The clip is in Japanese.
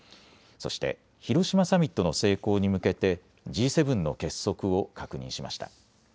そして広島サミットの成功に向けてＧ７の結束を確認しました。